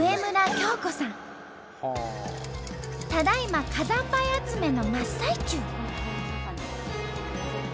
ただいま火山灰集めの真っ最中！